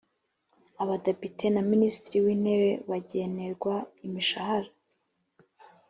abadepite na minisitiri w intebe bagenerwa imishahara